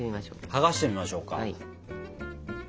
剥がしてみましょうか。